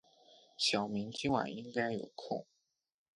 小明今晚应该有空。